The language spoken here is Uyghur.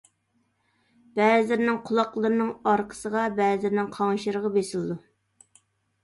بەزىلىرىنىڭ قۇلاقلىرىنىڭ ئارقىسىغا، بەزىلىرىنىڭ قاڭشىرىغا بېسىلىدۇ.